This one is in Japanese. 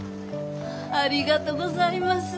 ありがとうございます。